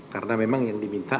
karena memang yang diminta